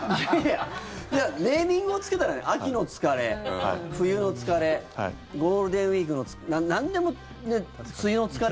ネーミングをつけたら秋の疲れ、冬の疲れゴールデンウィークのなんでもね、梅雨の疲れ？